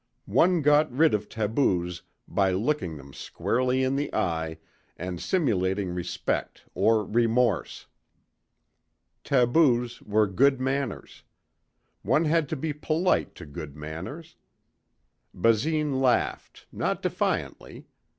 One got rid of taboos by looking them squarely in the eye and simulating respect or remorse. Taboos were good manners. One had to be polite to good manners. Basine laughed, not defiantly.